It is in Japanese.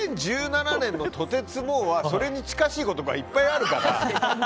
２０１７年のとてつもはそれに近しい言葉がいっぱいあるから。